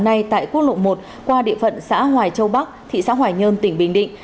nay tại quốc lộ một qua địa phận xã hoài châu bắc thị xã hoài nhơn tỉnh bình định